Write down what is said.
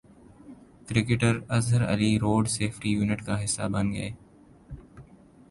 cricketer Azhar Ali road safety unit کا حصہ بن گئے